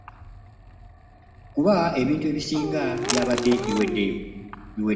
Kuba ebintu ebisinga byabadde biweddewo.